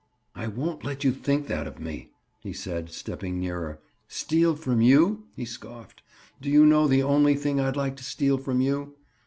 "I won't let you think that of me," he said, stepping nearer. "Steal from you?" he scoffed. "Do you know the only thing I'd like to steal from you?"